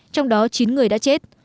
trong đó chín người đã chết